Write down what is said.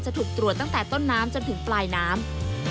ถูกตรวจตั้งแต่ต้นน้ำจนถึงปลายน้ำ